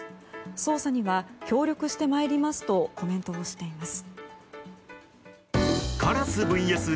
捜査には協力してまいりますとコメントをしています。